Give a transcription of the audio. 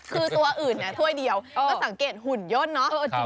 คือตัวอื่นเนี่ยถ้วยเดียวก็สังเกตหุ่นย่นเนอะ